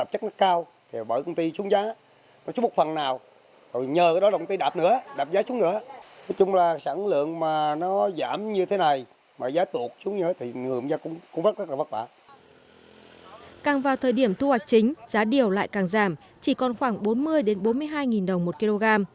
càng vào thời điểm thu hoạch chính giá điều lại càng giảm chỉ còn khoảng bốn mươi bốn mươi hai đồng một kg